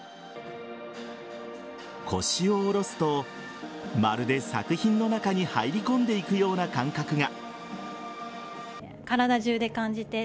腰を下ろすとまるで作品の中に入り込んでいくような感覚が。